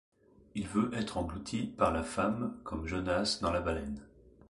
Il veut être englouti par la femme comme Jonas dans la baleine.